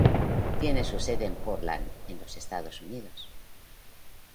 Tiene su sede en Portland, en los Estados Unidos.